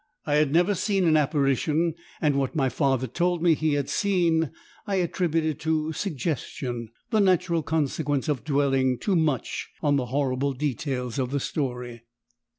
I had never seen an apparition, and what my father told me he had seen, I attributed to Suggestion, the natural consequence of dwelling too much on the horrible details of the story.